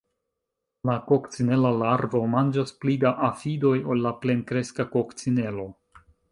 La kokcinela larvo manĝas pli da afidoj ol la plenkreska kokcinelo.